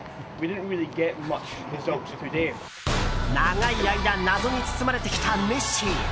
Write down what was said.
長い間謎に包まれてきたネッシー。